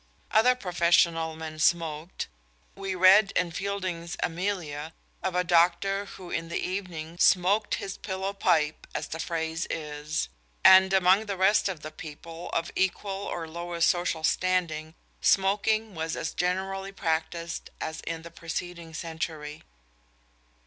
Other professional men smoked we read in Fielding's "Amelia" of a doctor who in the evening "smoked his pillow pipe, as the phrase is" and among the rest of the people of equal or lower social standing smoking was as generally practised as in the preceding century.